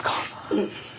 うん。